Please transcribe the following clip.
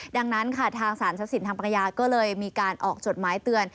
ดังนั้นค่ะทางสารทรัพย์สินทางปัญญาก็เลยมีการออกจดหมายเตือน